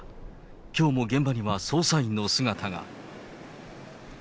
きょうも現場には捜査員の姿が。